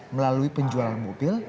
melalui penjualan mobil